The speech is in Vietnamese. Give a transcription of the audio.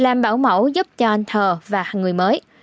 làm bảo mẫu giúp cho anh thờ và người mới